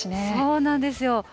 そうなんですよ。